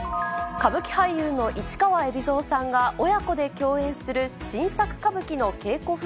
歌舞伎俳優の市川海老蔵さんが親子で共演する新作歌舞伎の稽古風